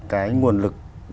cái nguồn lực